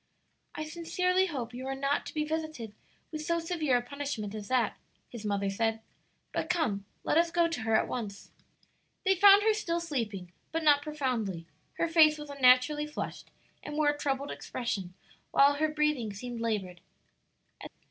"I sincerely hope you are not to be visited with so severe a punishment as that," his mother said. "But come, let us go to her at once." They found her still sleeping, but not profoundly; her face was unnaturally flushed, and wore a troubled expression, while her breathing seemed labored.